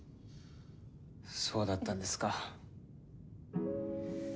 そうだったんですか。